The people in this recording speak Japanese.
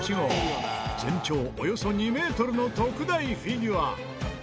全長およそ２メートルの特大フィギュア。